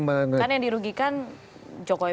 kan yang dirugikan jokowi